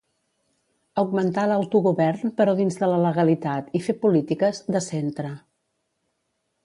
Augmentar l'autogovern però dins de la legalitat i fer polítiques "de centre".